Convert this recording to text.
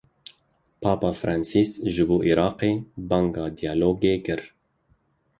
Papa Francis ji bo Iraqê banga diyalogê kir.